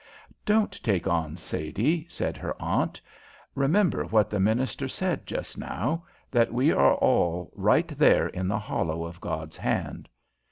"Don't take on, Sadie," said her aunt; "remember what the minister said just now, that we are all right there in the hollow of God's hand.